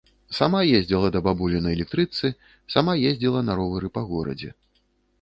Сама ездзіла да бабулі на электрычцы, сама ездзіла на ровары па горадзе.